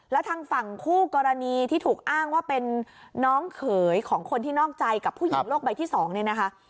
แล้วทางฝั่งคู่กรณีที่ถูกอ้างว่าเป็นน้องเขยของคนที่นอกใจกับผู้หญิงโลกใบที่๒เนี่ยนะคะ